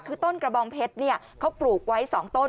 คือต้นกระบองเพชรเขาปลูกไว้๒ต้น